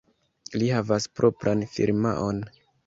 Li havas propran firmaon.